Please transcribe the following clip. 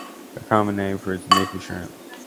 A common name for it is nika shrimp.